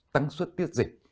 tăng xuất tiết dịch